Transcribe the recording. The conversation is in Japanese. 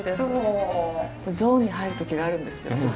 ゾーンに入る時があるんですよ。